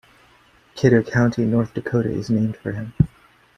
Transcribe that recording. Kidder County, North Dakota is named for him.